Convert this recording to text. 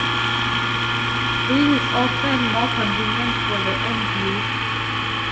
This is often more convenient for the end user.